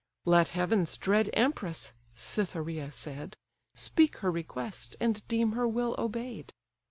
"Let heaven's dread empress (Cytheraea said) Speak her request, and deem her will obey'd."